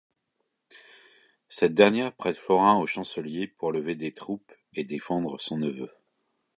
Cette dernière prête florins au chancelier pour lever des troupes et défendre son neveu.